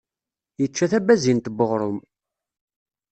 Yečča tabazint n uɣṛum.